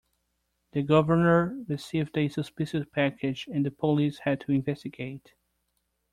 The governor received a suspicious package and the police had to investigate.